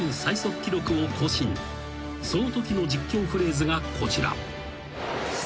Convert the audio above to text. ［そのときの実況フレーズがこちら］